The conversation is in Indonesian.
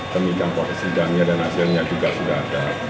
peningkan posisi dan hasilnya juga sudah ada